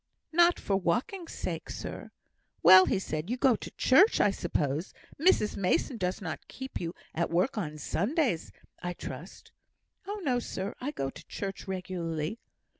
"Not for walking's sake, sir." "Well!" said he, "you go to church, I suppose? Mrs Mason does not keep you at work on Sundays, I trust?" "Oh, no, sir. I go to church regularly."